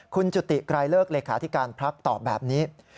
คุณจุติไกรเลิกเลขาธิการพักตอบแบบนี้